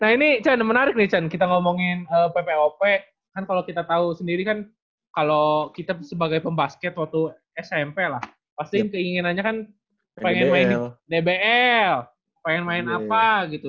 nah ini channe menarik nih chan kita ngomongin ppop kan kalau kita tahu sendiri kan kalau kita sebagai pembasket waktu smp lah pasti keinginannya kan pengen main dbl pengen main apa gitu